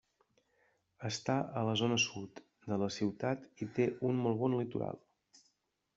Està a la zona sud, de la ciutat i té un molt bon litoral.